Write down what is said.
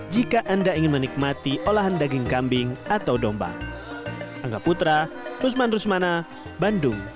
jika anda ingin menikmati olahan daging kambing atau domba